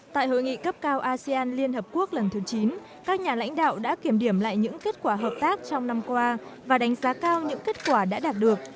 tại hội nghị cấp cao asean liên hợp quốc lần thứ chín các nhà lãnh đạo đã kiểm điểm lại những kết quả hợp tác trong năm qua và đánh giá cao những kết quả đã đạt được